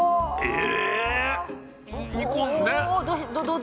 え⁉